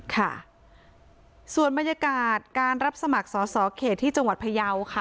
ค่ะส่วนบรรยากาศการรับสมัครสอสอเขตที่จังหวัดพยาวค่ะ